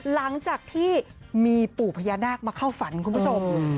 หลังจากที่มีปู่พญานาคมาเข้าฝันคุณผู้ชม